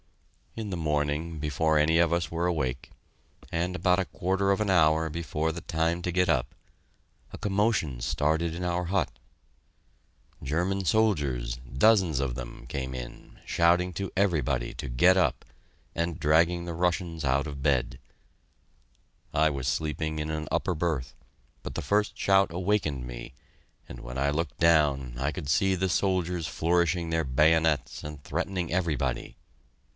In the morning, before any of us were awake, and about a quarter of an hour before the time to get up, a commotion started in our hut. German soldiers, dozens of them, came in, shouting to everybody to get up, and dragging the Russians out of bed. I was sleeping in an upper berth, but the first shout awakened me, and when I looked down I could see the soldiers flourishing their bayonets and threatening everybody.